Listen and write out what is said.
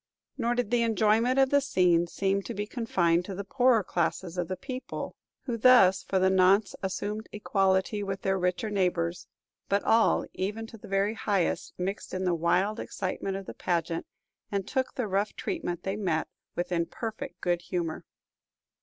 Nor did the enjoyment of the scene seem to be confined to the poorer classes of the people, who thus for the nonce assumed equality with their richer neighbors; but all, even to the very highest, mixed in the wild excitement of the pageant, and took the rough treatment they met with in perfect good humor.